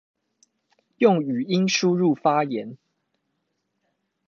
用語音輸入發言